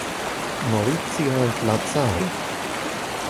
Maurizio and Lazzaro.